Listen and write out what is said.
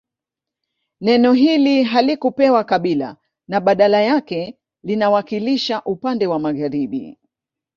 Neno hili halikupewa kabila na badala yake linawakilisha upande wa magharibi